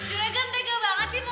juragan tega banget sih ini